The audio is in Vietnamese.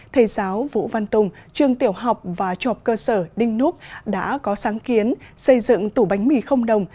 thầy giáo vũ văn tùng trường tiểu học và trọc cơ sở đinh núp đã có sáng kiến xây dựng tủ bánh mì không đồng